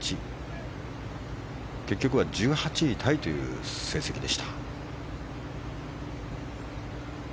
結局は１８位タイという成績でした。